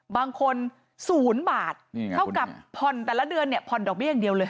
๐๐บาทเท่ากับผ่อนแต่ละเดือนเนี่ยผ่อนดอกเบี้ยอย่างเดียวเลย